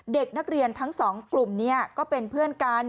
เด็กนักเรียนทั้งสองกลุ่มนี้ก็เป็นเพื่อนกัน